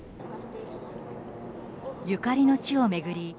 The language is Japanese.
ゆかりの地を巡り